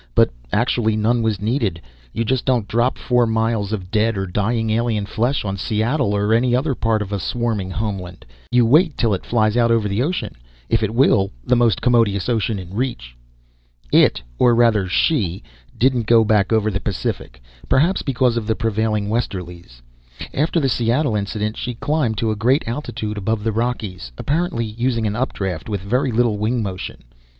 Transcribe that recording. But actually none was needed. You just don't drop four miles of dead or dying alien flesh on Seattle or any other part of a swarming homeland. You wait till it flies out over the ocean, if it will the most commodious ocean in reach. It, or rather she, didn't go back over the Pacific, perhaps because of the prevailing westerlies. After the Seattle incident she climbed to a great altitude above the Rockies, apparently using an updraft with very little wing motion.